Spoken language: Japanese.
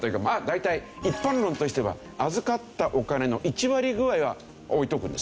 大体一般論としては預かったお金の１割ぐらいは置いておくんですよ。